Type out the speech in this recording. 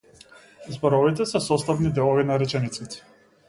Зборовите се составни делови на речениците.